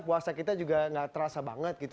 puasa kita juga tidak terasa banget